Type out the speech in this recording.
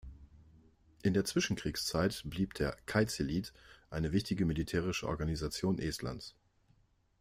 In der Zwischenkriegszeit blieb der "Kaitseliit" eine wichtige militärische Organisation Estlands.